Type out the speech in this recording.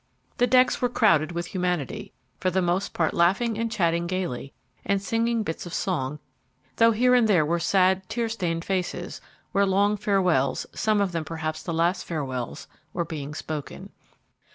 The decks were crowded with humanity, for the most part laughing and chatting gayly and singing bits of song, though here and there were sad, tear stained faces, where long farewells, some of them perhaps the last farewells, were being spoken.